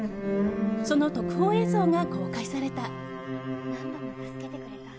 その特報映像が公開された。